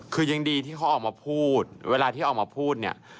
คือยังดีที่เขาออกมาพูดเวลาที่ออกมาพูดเนี่ย